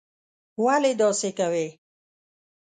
ولي داسې کوې?